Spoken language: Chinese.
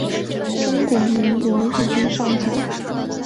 中华民国陆军上将。